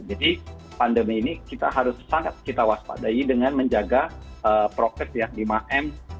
jadi pandemi ini kita harus sangat waspadai dengan menjaga progres lima m